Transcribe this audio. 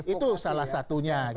itu salah satunya